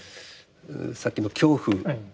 さっきの恐怖